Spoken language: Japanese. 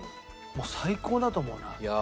もう最高だと思うな。